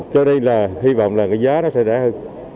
cho nên là hy vọng là cái giá nó sẽ rẻ hơn